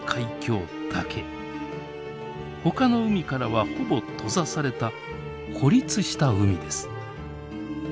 ほかの海からはほぼ閉ざされた孤立した海です。